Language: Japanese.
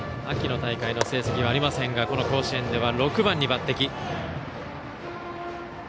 秋の大会の成績はありませんがこの甲子園では６番に抜てき。